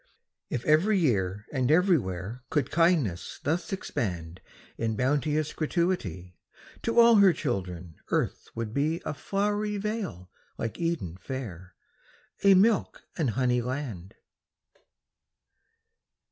If every year and everywhere Could kindness thus expand In bounteous gratuity, To all her children earth would be A flowery vale like Eden fair, A milk and honey land.